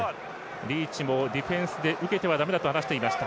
リーチもディフェンスで受けてはだめだと話していました。